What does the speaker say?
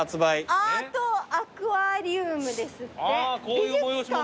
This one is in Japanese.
アートアクアリウムですって美術館。